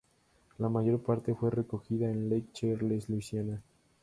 La mayor parte fue recogida en Lake Charles, Luisiana.